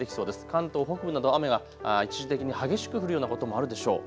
関東北部など雨が一時的に激しく降るようなこともあるでしょう。